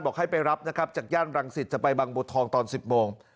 ให้ไปรับนะครับจากย่านรังสิตจะไปบางบัวทองตอน๑๐โมง